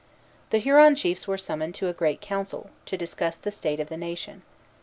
The Huron chiefs were summoned to a great council, to discuss the state of the nation.